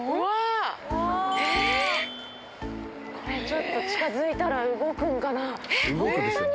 これちょっと近づいたら動くんかなホントに？